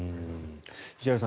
石原さん